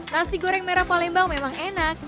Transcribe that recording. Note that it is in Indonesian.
nasi goreng merah palembang memang enak